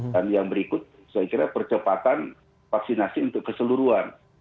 dan yang berikut saya kira percepatan vaksinasi untuk keseluruhan